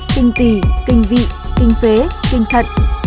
kinh tỷ kinh vị kinh phế kinh thận